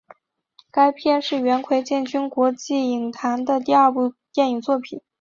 该片是元奎进军国际影坛的第二部电影作品。